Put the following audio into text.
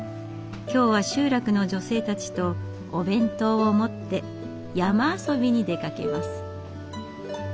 今日は集落の女性たちとお弁当を持って山遊びに出かけます。